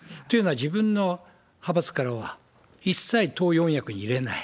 自分の派閥からは一切党四役に入れない。